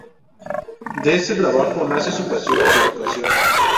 De ese trabajo nace su pasión por la actuación.